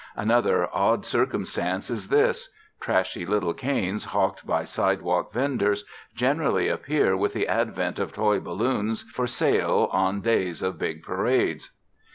Another odd circumstance is this: trashy little canes hawked by sidewalk venders generally appear with the advent of toy balloons for sale on days of big parades.